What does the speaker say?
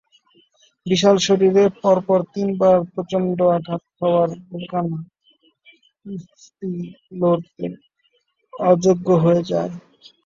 বিশাল শরীরে পরপর তিনবার প্রচণ্ড আঘাত খাওয়ায় রুকানা কুস্তি লড়তে অযোগ্য হয়ে যায়।